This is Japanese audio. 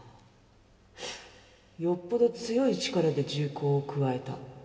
よっぽど強い力で銃口をくわえた。